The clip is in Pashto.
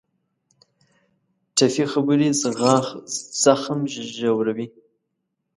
ټپي خبرې زخم ژوروي.